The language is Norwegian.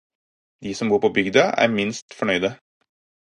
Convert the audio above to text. De som bor på bygda er minst fornøyde.